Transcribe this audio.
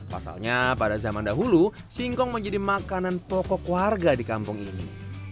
pasalnya pada zaman dahulu singkong menjadi makanan pokok warga di kampung ini